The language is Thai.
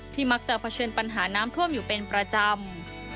มักจะเผชิญปัญหาน้ำท่วมอยู่เป็นประจำ